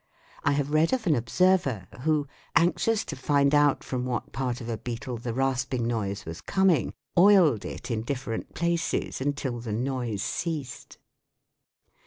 I have read of an observer, who, anxious to find out from what part of a beetle the rasping noise was coming, oiled it in different places until the noise ceased